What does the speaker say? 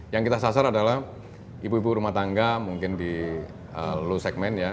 yang kita sasar adalah ibu ibu rumah tangga mungkin di low segmen ya